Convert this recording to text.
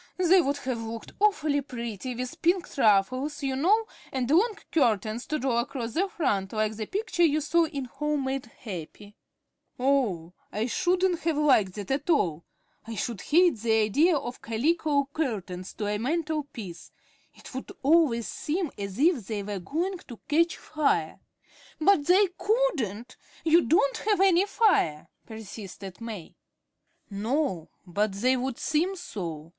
They would have looked awfully pretty with pinked ruffles, you know, and long curtains to draw across the front like that picture you saw in 'Home made Happy.'" "Oh, I shouldn't have liked that at all. I should hate the idea of calico curtains to a mantel piece. It would always seem as if they were going to catch fire." "But they couldn't. You don't have any fire," persisted May. "No, but they would seem so.